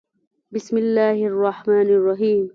بسم الله الرحمن الرحیم